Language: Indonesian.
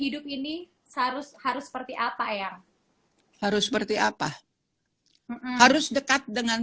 hidup ini seharusnya seperti apa yang harus seperti apa harus dekat dengan